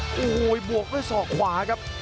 โอ้โหบวกด้วยศอกขวาครับ